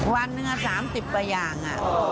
วันนึง๓๐ประหย่าง